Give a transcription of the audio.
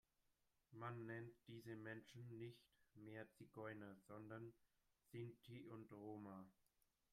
Man nennt diese Menschen nicht mehr Zigeuner, sondern Sinti und Roma.